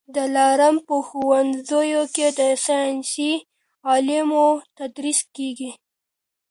د دلارام په ښوونځیو کي د ساینسي علومو تدریس کېږي